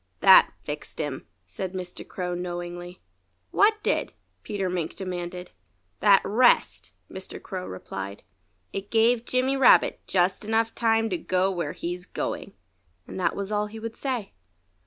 "That fixed him," said Mr. Crow knowingly. "What did?" Peter Mink demanded. "That rest!" Mr. Crow replied. "It gave Jimmy Rabbit just time enough to go where he's going." And that was all he would say.